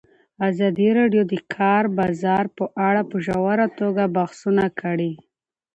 ازادي راډیو د د کار بازار په اړه په ژوره توګه بحثونه کړي.